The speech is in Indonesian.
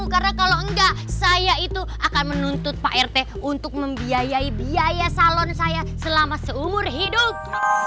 karena kalau enggak saya itu akan menuntut pak rt untuk membiayai biaya salon saya selama seumur hidup